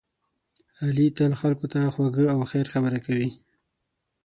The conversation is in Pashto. علی تل خلکو ته خوږه او خیر خبره کوي.